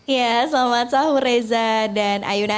ya selamat malam reza dan ayuna